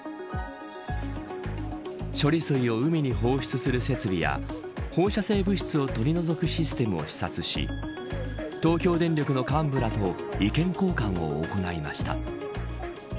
処理水を海に放出する設備や放射性物質を取り除くシステムを視察し東京電力の幹部らと意見交換を行いました。